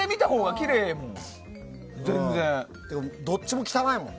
どっちも汚いもんね。